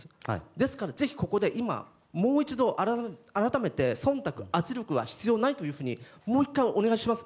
ですから、ぜひここでもう一度改めて忖度、圧力は必要ないともう一回、お願いします。